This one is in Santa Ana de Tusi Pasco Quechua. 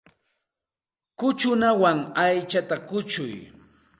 Kuchukuwan aychata kuchuy.